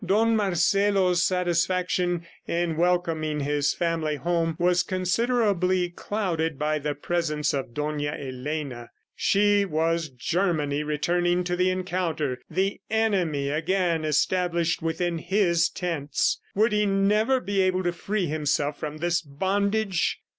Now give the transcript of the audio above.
Don Marcelo's satisfaction in welcoming his family home was considerably clouded by the presence of Dona Elena. She was Germany returning to the encounter, the enemy again established within his tents. Would he never be able to free himself from this bondage?